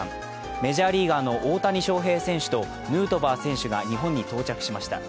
メジャーリーガーの大谷翔平選手とヌートバー選手が日本に到着しました。